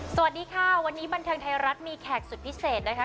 สวัสดีค่ะวันนี้บันเทิงไทยรัฐมีแขกสุดพิเศษนะคะ